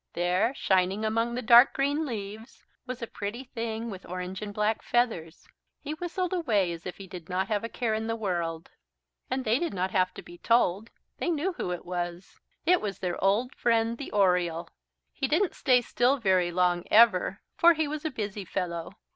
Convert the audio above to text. There, shining among the dark green leaves, was a pretty thing with orange and black feathers. He whistled away as if he did not have a care in the world. And they did not have to be told they knew who it was. It was their old friend, the Oriole. He didn't stay still very long ever, for he was a busy fellow.